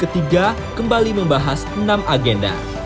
pertemuan fmcbg ketiga kembali membahas enam agenda